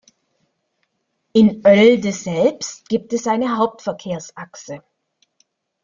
In Oelde selbst gibt es eine Hauptverkehrsachse.